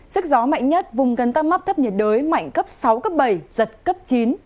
sức gió mạnh nhất vùng gần tâm áp thấp nhiệt đới mạnh cấp sáu cấp bảy giật cấp chín